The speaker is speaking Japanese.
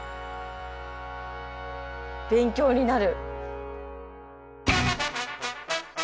勉強になる。